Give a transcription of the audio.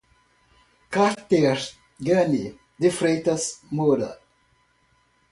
Carteggane de Freitas de Moura